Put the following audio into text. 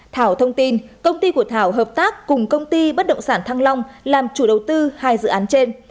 thảo thông tin công ty của thảo hợp tác cùng công ty bất động sản thăng long làm chủ đầu tư hai dự án trên